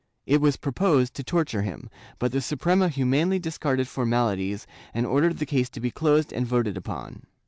It was proposed to torture him, but the Suprema humanely discarded formalities and ordered the case to be closed and voted upon.